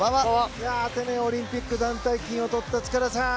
アテネオリンピック団体金をとった塚原さん